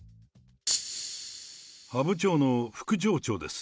阿武町の副町長です。